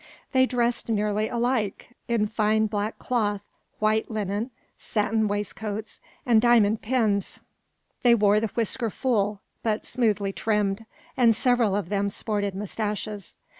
They dressed nearly alike: in fine black cloth, white linen, satin waistcoats, and diamond pins. They wore the whisker full, but smoothly trimmed; and several of them sported moustaches.